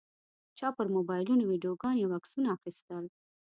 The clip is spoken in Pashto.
چا پر موبایلونو ویډیوګانې او عکسونه اخیستل.